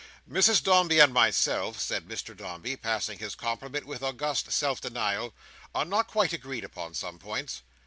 "Mrs Dombey and myself," said Mr Dombey, passing this compliment with august self denial, "are not quite agreed upon some points.